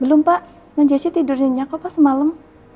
belum pak kan jesse tidur di nyokap pas semalam